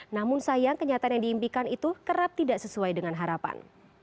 namun sayang kenyataan yang diimpikan itu kerap tidak sesuai dengan harapan